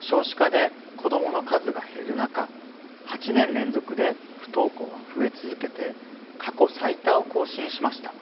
少子化で子どもの数が減る中８年連続で不登校は増え続けて過去最多を更新しました。